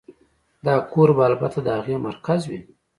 دا کور به البته د هغې مرکز وي